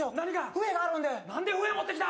笛があるんでなんで笛持ってきた！？